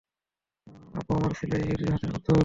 আবু আমের ছিল এই ইহুদীদের হাতের পুতুল।